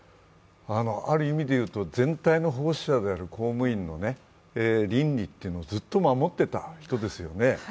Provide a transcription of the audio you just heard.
ある意味で言うと全体の奉仕者である公務員の倫理というのをずっと守っていた人ですよね。